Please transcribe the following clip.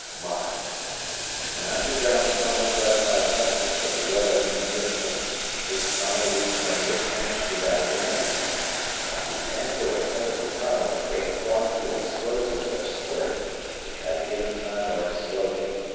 Mine. An underground tunnel dug by sappers of the Royal Engineer Corps. This tunnel leads from your trench to that of the enemy's. At the end or head of the tunnel a great quantity of explosives are stored which at a given time are exploded.